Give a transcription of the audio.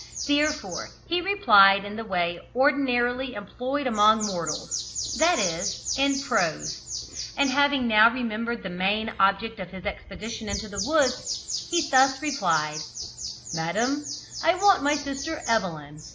Therefore he replied in the way ordinarily employed among mortals, that is, in prose; and, having now remembered the main object of his expedition into the wood, he thus replied: "Madam, I want my sister Evelyn.